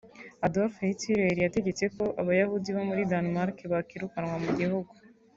Adolf Hitler yategetse ko abayahudi bo muri Danmark bakwirukanwa mu gihugu